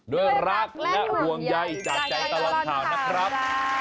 ด้วยรักและห่วงใยจากใจตลอดข่าวนะครับ